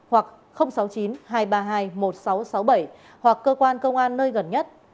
hoặc sáu mươi chín hai trăm ba mươi hai một nghìn sáu trăm sáu mươi bảy hoặc cơ quan công an nơi gần nhất